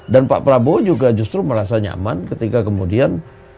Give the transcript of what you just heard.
dan pak prabowo juga justru merasa nyaman ketika kemudian